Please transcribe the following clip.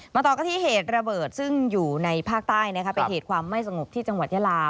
ต่อกันที่เหตุระเบิดซึ่งอยู่ในภาคใต้นะคะเป็นเหตุความไม่สงบที่จังหวัดยาลา